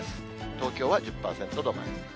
東京は１０％止まり。